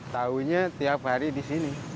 tahunya tiap hari di sini